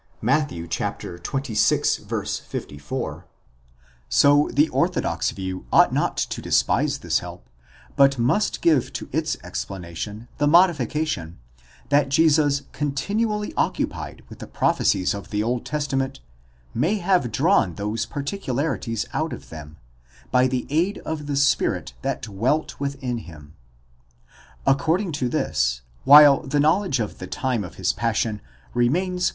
Matt. xxvi. 54): so the orthodox view ought not to despise this: help, but must give to its explanation the modification, that Jesus continually occupied with the prophecies of the Old Testament, may have drawn those particularities out of them, by the aid of the spirit that dwelt within him.?' According to this, while the knowledge of the time of his passion remains.